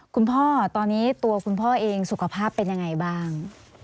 คุณพ่อตอนนี้ตัวคุณพ่อเองสุขภาพเป็นยังไงบ้าง